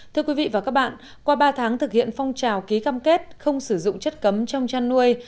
thưa quý vị và các bạn qua ba tháng thực hiện phong trào ký cam kết không sử dụng chất cấm trong chăn nuôi